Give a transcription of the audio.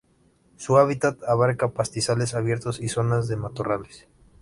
Su hábitat abarca pastizales abiertos y zonas de matorrales.